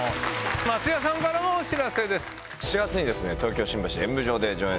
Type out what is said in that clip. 松也さんからもお知らせです。